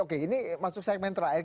oke ini masuk segmen terakhir